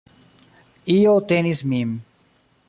Io tenis min.